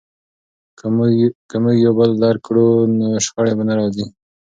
که موږ یو بل درک کړو نو شخړې نه راځي.